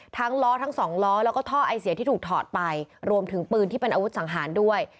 ล้อทั้งสองล้อแล้วก็ท่อไอเสียที่ถูกถอดไปรวมถึงปืนที่เป็นอาวุธสังหารด้วย